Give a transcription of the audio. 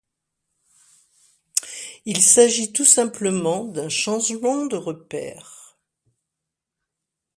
Il s'agit tout simplement d'un changement de repère.